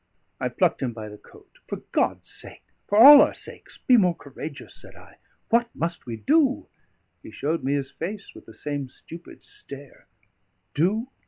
I plucked him by the coat. "For God's sake, for all our sakes, be more courageous!" said I. "What must we do?" He showed me his face with the same stupid stare. "Do?"